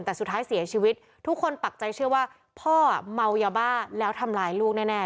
แต่สุดท้ายเสียชีวิตทุกคนปักใจเชื่อว่าพ่อเมายาบ้าแล้วทำร้ายลูกแน่